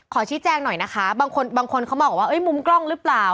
ขอชี้แจงหน่อยนะคะบางคนบางคนเขามองว่ามุมกล้องหรือเปล่า